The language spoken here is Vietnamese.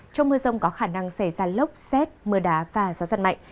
trong mưa rông có khả năng xảy ra lốc xét mưa đá và gió giật mạnh